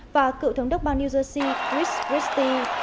và cựu thống đốc bang new jersey chris christie